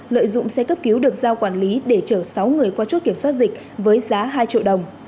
lợi dụng xe cấp cứu được giao quản lý để chở sáu người qua chốt kiểm soát dịch với giá hai triệu đồng